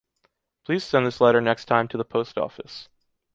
Please send this letter next time to the post office.